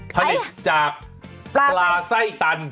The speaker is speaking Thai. ผลิตจากปลาไส้ตัน